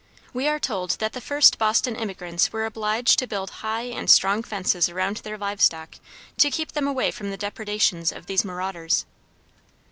We are told that the first Boston immigrants were obliged to build high and strong fences around their live stock to keep them from the depredations of these marauders.